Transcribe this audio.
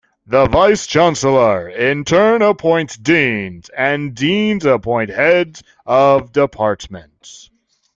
The Vice Chancellor in turn appoints deans and deans appoint heads of departments.